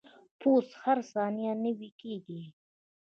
پوست هره ثانیه نوي کیږي.